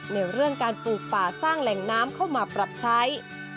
ในเรื่องการปลูกป่าสร้างแหล่งน้ำเข้ามาปรับใช้